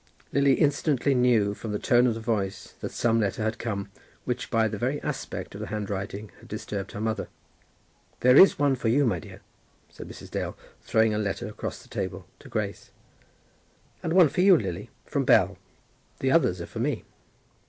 Lily instantly knew from the tone of the voice that some letter had come, which by the very aspect of the handwriting had disturbed her mother. "There is one for you, my dear," said Mrs. Dale, throwing a letter across the table to Grace. "And one for you, Lily, from Bell. The others are for me."